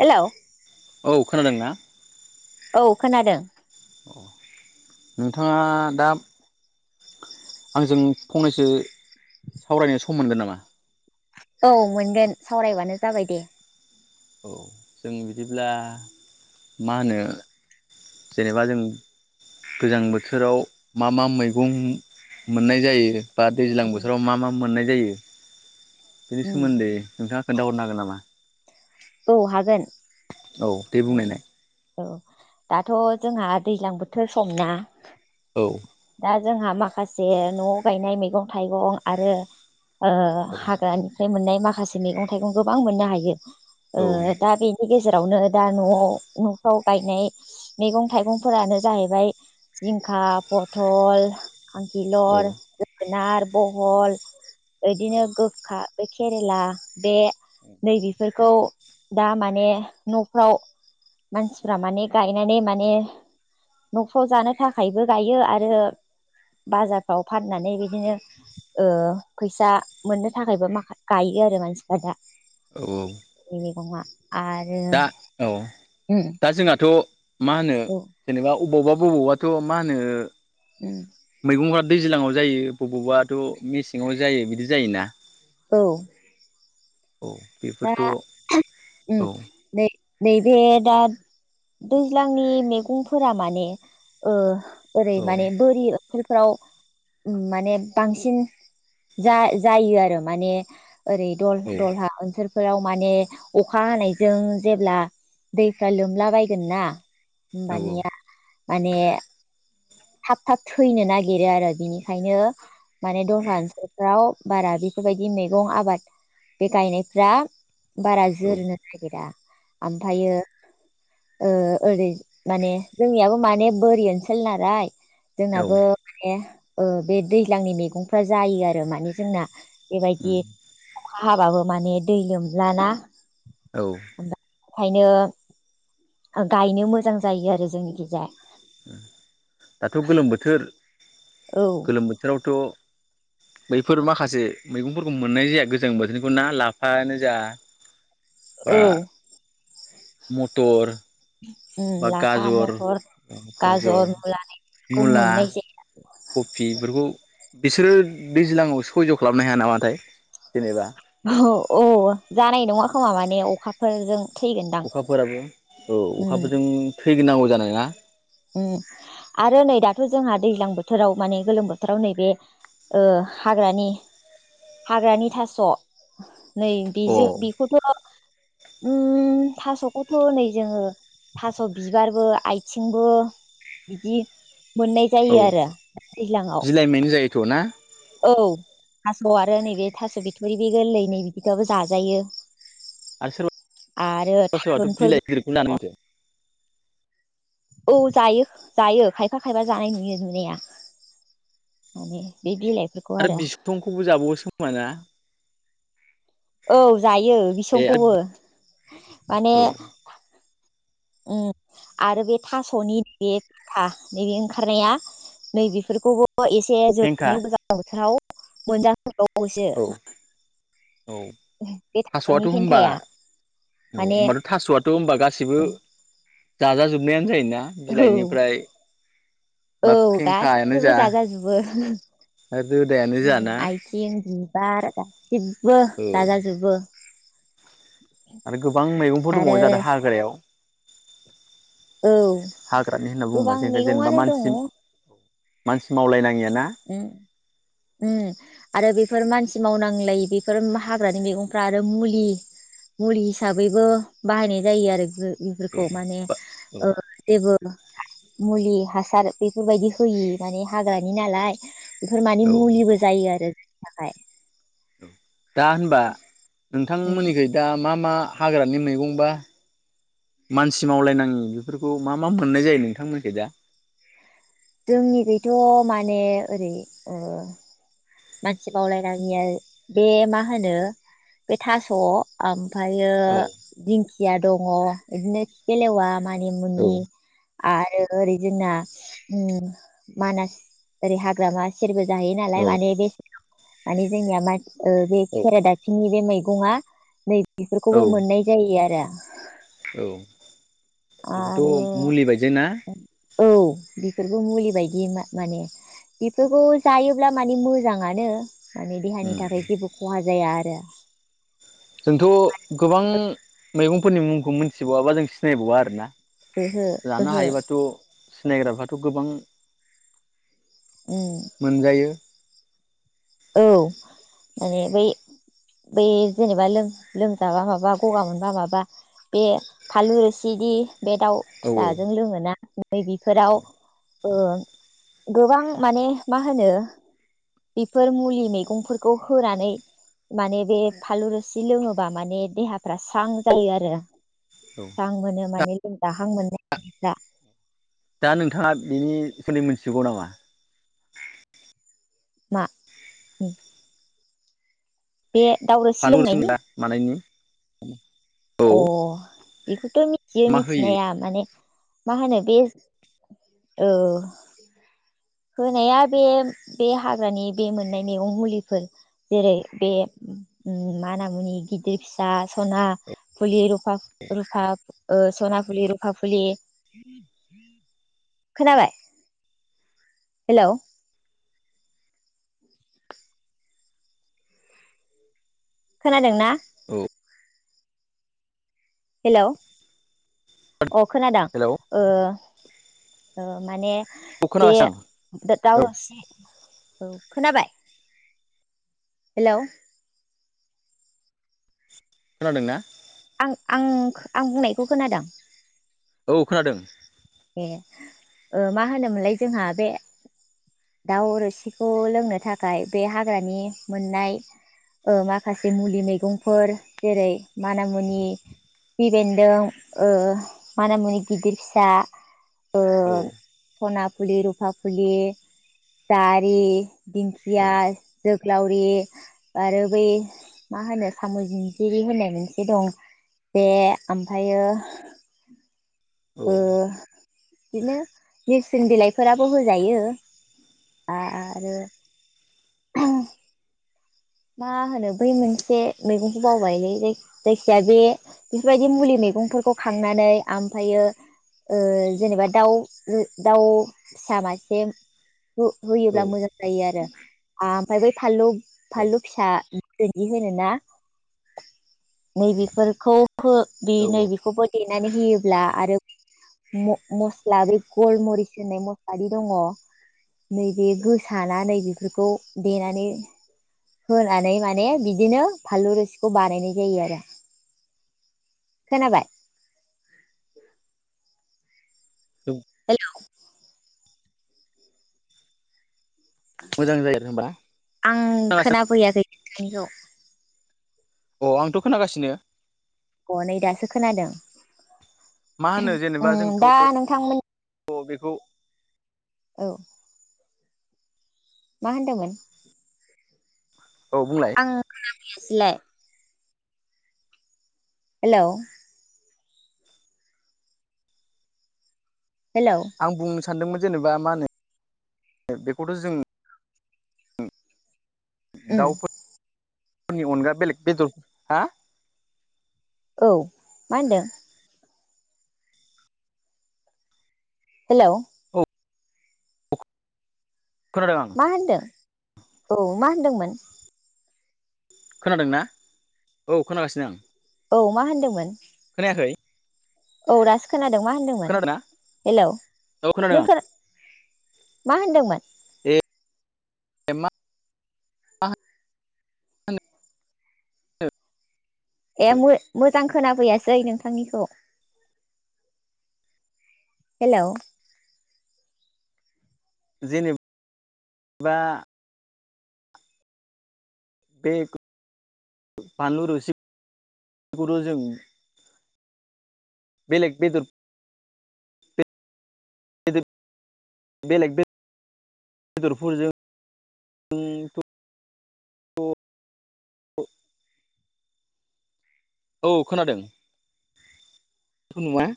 Hello औ खोनादों ना? औ खोनादों नोंथाङा दा आंजों फंनैसो सावरायनाय सम मोनगोन नामा? औ मोनगोन सावरायबानो जाबाय दे औ जों बिदिब्ला मा होनो जेनेबा जों गोजां बोथोराव मा मा मैगं मोननाय जायो बा दैज्लां बोथोराव मा मा मोननाय जायो बेनि उम सोमोन्दै नोंथाङा खोन्थााहरनो हागोन नामा औ हागोन औ बेे बुंनायनाय औ दाथ' जोंहा दैज्लां बोथोर समना औ दा जोंहा माखासे न'आव गायनाय मैगं थाइगं आरो औ हाग्रानि मोननाय माखासे मैगं थाइगं गोबां मोननो हायो औ बेनि जेरावनो दा न'आव न'फ्राव गायनाय मैगं थाइगंफोरानो जाहैबाय जिंखा पथल औ खांखिलर जोगोनार बहल औ बिदिनो गोखा केरेला बे नै बेफोरखौ दा माने न'फ्राव मानसिफ माने गायनानै माने न'फ्राव जानो थाखायबो गायो आरो बाजारफ्राव फाननानै बिदिनो ओ फैसा मोननो थाखायबो माख गायो आरो मानसिफ्रा दा औ बे मैगङा आरो दा औ उम दा जोंहाथ' मा होनो औ जेनेबा बबावबा बबावबाथ' मा होनो उम मैगंफ्रा दैज्लाङाव जायो बबावबाथ' मेसेङाव जायो बिदि जायोना औ औ दा बेफोरथ' औ औ दे नैबे दा दैज्लांनि मैगंफोरा माने ओरै औ माने बोरि सकेलफ्राव माने बांसिन जा जायो आरो माने ओरै दल औ दलहाओ बेफोराव माने अखा हानायजों जेब्ला दैफ्रा लोमला बायगोन ना औ होमबानिया माने थाब थाब थैनो नागिरो आरो बिनिखायनो माने दस्रा ओनसोलफ्राव बारा बेफोरबायदि मैगं आबाद बे गायनायफ्रा बारा जोरनो नागिरा ओमफ्रायो ओ ओरै मान जोंनियाबो माने बोरि ओनसोल नालाय औ जोंनाबो बे दैज्लांनि मैगंफ्रा जायो आरो माने जोंना बेबायदि अखा हाबाबो माने दै लोमज्लाना औ ओंखायनो गायनो मोजां जायो आरो जोंनि गेजाया दाथ' गोलोम बोथोर औ गोलोम बोथोरावथ' बैफोर माखासे मैगंफोरखौ मोननाय जाया गोजां बोथोरखौ ना लाफायानो जाय औ मटर उम बा लाफा गाजर मथर गाजर मुला मोननाय कफि बेफोरखौ बिसोरो दैज्लाङाव सयज' खालामनो हाया नामाथाय जेनेबा औ जानाय नङा खोमा माने अखाफोरजों थैगोनदां अखाफोराबो औ उम अखाफोरजों थैग्रोनांगौ जानाय ना उम आरो नै दाख्लै जोंहा दैज्लां बोथोराव माने गोलोम बोथोराव नैबे ओ हाग्रानि हाग्रानि थास' नै अ बेजों बेखौथ' उम थास'खौथ' नै जोङो थास' बिबारबो आइथिं- बो बिदि मोननाय जायो औ आरो दैज्लांआव बिलाइमायनो जायोथ' ना औ थास' आरो नैबे थास' बिथरि बे गोरलै नै बिदिबाबो जाजायो आरो आरो सोरबा सोरबाथ' बिलाइ गिदिरखौनो दानो थारुनफोरबो माथो [inaudible] औ जायो जायो खायफा खायफा जानाय नुयो नुनाया माने बे बिलाइ आरो बिसंखौबो जाबावोसो खोमाना? औ जायो बिसंखौबो माने औ उम आरो बे थास'नि नैबे फेंखा नैबे ओंखारनाया नै बेफोरखौबो एसे फेंखा जोंनि गोजां बोथोराव मोनजाथारबावसो औ थास'आथ' होमबा फेन्थाया औ माने होमबाथ' थास'आथ' होमबा गासिबो जाजाजोबनायानो जायोना? औ बिलाइनिफ्राय औ बा फेंखायानो गासिबो जा जाजा जुबो। रोदायानो उम जाना आइथिं बिबार गाससिबो औ जाजाजोबो आरो गोबां मैगंफोर आरो दंबावो जोंहाथ' हाग्रायाव औ हाग्रानि होनना बुङोबा गोबां जों दा जेनेबा मैगंआनो दङ मानसि औ मानसि मावलाय नाङि आरो उम [inaudible] उम आरो बेफोर मानसि मावनांलायि बेफोर हाग्रानि मैगंफ्रा आरो मुलि मुलि हिसाबैबो बाहायनाय जायो आरो बेफोर औ बेफोरखौ माने बा औ ओ जेबो मुलि हासार बेफोरबायदि होयि माने हाग्रानि नालाय बेफोर मानि औ मुलिबो जायो आरो जोंनि थाखाय औ दा होनबा उम नोंथांमोननिखै दा मा मा हाग्रानि मैगं बा मानसि मावलायनाङि बेफोरखौ मा मा मोननाय जायो नोंथांमोनिखै दा जोंनिखैथ' माने ओरै ओ मानसि मावलायङिया बे मा होनो बे थास' ओम- फायो औ दिंखिया दङ बिदिनो खिफिलेवा औ मानिमुनि आरो ओरै जोंना उम मानास ओरै हाग्रामा सेरबो- जाहैयो नालाय औ माने बे माने जोंनिया मा बे ओ खेराादाफिनि बे मै- गङा नै औ बेफोरखौबो मोननाय जायो आरो औ आरो बेबोथ' मुलि बायदियानो ना? औ बेफोरबो मुलि बायदि माने बेफोरखौ जायोब्ला मानि मोजाङानो माने देहानि उम थाखाय जेबो खहा जाया आरो जोंथ' गोबां मैगंफोरनि मुंखौ मोनथिबावा बा जों सिनायबावा आरोना। ओहो लानो ओहो हायोबाथ' सिनायग्राफ्राथ' गोबां उम मोनजायो। औ माने बै। बै जेनेबा लोमजाबा माबा गगा मोनबा माबा बे फालु रसिदि बे दाउ औ फिसाजों लोङोना नै बेफोराव औ ओ गोबां माने मा होनो। बेफोर मुलि मैगंफोरखौ होनानै। माने बे फालु रोसि लोङोबा माने देहाफ्रा स्रां जायो आरो औ स्रां मोनो माने लोंजाहां मोननायफ्रा। दा नोंथाङा बिनि सो मोनथिगौ नामा मा? बे दावरोसि फालु‌ रोसि लोंनायनि मानायनि औ अ बेखौथ' मिथियो मा होयो मिथिनाया माने। मा होनो बे औ। होनाया बे बे हाग्रानि बे मोननाय मैगं मुलिफोर जेरै बे माना मुनि गिदिर फिसा सना फुलि रुफा रुफा सना फुलि, रुफा फुलि, खोनाबाय? हेल' खोनादों ना? औ। हेल' अ खोनादों हेलौ ए। माने औ बे खोनागासिनो दा दाव‌ आं औ रोसि औ। खोनाबाय हेल' खोनादों ना? आं आं बुंनायखौ खोनादों। अ खोनादों ए मा होनोमोनलाय जोंहा बे दाउ रोसिखौ लोंनो थाखाय बे हाग्रानि मोननाय। ओ माखासे मुलि मैगंफोर जेरै माना मुनि गिबि बेन्दों ओ माना मुनि गिदिर फिसा। ओ औ सना फुलि रुफा फुलि जारि। दिंखिया औ जोग। लावरि आरो बै मा होनो साम' जिनजिरि होननाय मोनसे दं। बे ओमफ्रायो। [inaudible] ओ औ बिदिनो नोरसिं बिलाइफोराबो होजायो। आरो। मा होनो बै मोनसे मैगंखौ बावबायलै जायखिजाया बे बेफोरबायदि मुलि मैगंफोरखौ खांनानै ओमफ्रायो। ओ जेनेबा दाउ दाउ फिसा मासे होयोब्ला मोजां जायो आरो ओमफ्राय बै फानलु औ फानलु फिसा। बिदि होनोना नैबेफोरखौ औ नैबेखौबो। देनानै होयोब्ला आरो। मस्ला बे गरमरिस होननाय मस्ला बे दङ' नैबे गोसा ना नै बेफोरखौ देनानै होनानै माने बिदिनो फानलु रोसिखौ बानायनाय जायो आरो खोनाबाय हेल' मोजां जायो आरो होमबा आं खोनाफैयाखै नोंथांखौ अ आंथ' खोनागासिनो अ नै दासो खोनादों मा दा नोंथांमोननि औ बेखौ औ मा होनदोंमोन औ बुंलाय आं खोनाफैयासैलाय हेलौ हेलौ सान्दोंमोन जेनेबा मा होनो बेखौथ' जों उम दाउफोरफोरनि अनगा बेलेग बेदरफोर हा औ मा होनदों हेलौ औ खोनादों आं मा होनदों औ मा होनदोंमोन खोनादोंना औ खोनागासिनो आं औ मा होनदोंमोन खोनायाखै औ दासो खोनादों मा होनदोंमोन खोनादों ना हेलौ औ खोनादों नों आं खोना मा होनदोंमोन ए मा होनो ए मोजां खोनाफैयासै नोंथांनिखौ हेलौ जेनेबा बे बानलु रोसिखौथ' जों बेलेग बिदर बेलेग बे बेदरफोरजों [unintelligible] औ खोनादों [unintelligible] मोजां